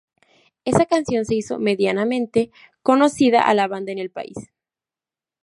Esa canción hizo medianamente conocida a la banda en el país.